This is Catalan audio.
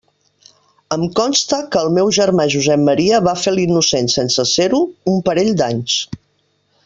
Em consta que el meu germà Josep Maria va fer l'innocent sense ser-ho un parell d'anys.